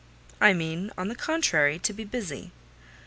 "I mean, on the contrary, to be busy."